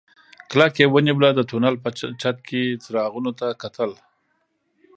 کلکه يې ونيوله د تونل په چت کې څراغونو ته کتل.